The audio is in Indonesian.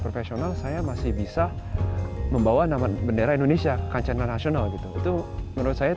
profesional saya masih bisa membawa nama bendera indonesia kancah internasional gitu itu menurut saya